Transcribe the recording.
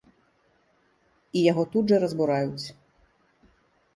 І яго тут жа разбураюць.